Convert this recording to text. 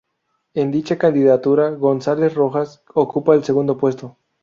En dicha candidatura, González Rojas ocupa el segundo puesto.